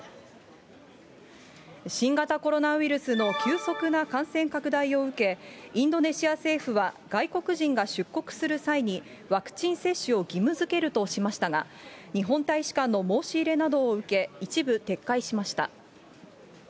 新型コロナウイルスの急速な感染拡大を受け、インドネシア政府は、外国人が出国する際に、ワクチン接種を義務づけるとしましたが、日本大使館の申し入れなどを受け、一部撤回しました。